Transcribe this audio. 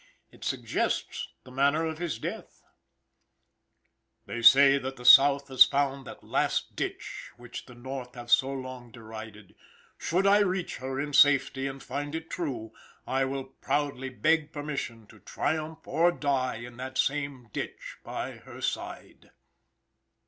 It suggests the manner of his death: "They say that the South has found that 'last ditch' which the North have so long derided. Should I reach her in safety, and find it true, I will proudly beg permission to triumph or die in that same 'ditch' by her side."